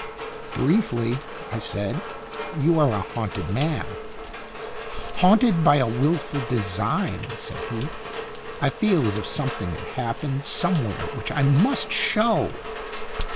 "Briefly," I said, "you are a * Haunted Man/" " Haunted by a willful design," said he. " I feel as if something had happened some where which I must show."